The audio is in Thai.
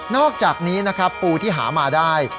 อกจากนี้นะครับปูที่หามาได้